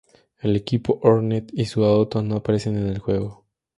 El equipo Hornet y su auto no aparecen en el juego.